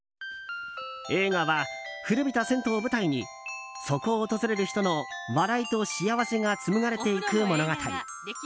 映画は、古びた銭湯を舞台にそこを訪れる人の笑いと幸せが紡がれていく物語。